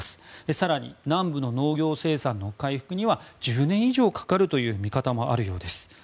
更に南部の農業生産の回復には１０年以上かかるという見方もあるようです。